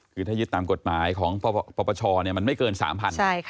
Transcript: คือถ้ายึดตามกฎหมายของปปชมันไม่เกิน๓๐๐บาท